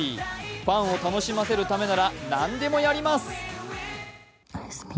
ファンを楽しませるためなら何でもやります！